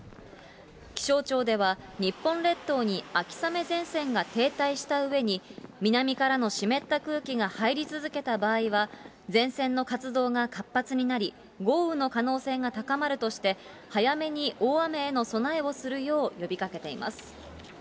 気象庁では、日本列島に秋雨前線が停滞したうえに、南からの湿った空気が入り続けた場合は、前線の活動が活発になり、豪雨の可能性が高まるとして、早めに大雨への備えをするよう呼びかけています。